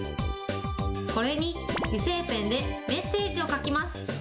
これに油性ペンでメッセージを書きます。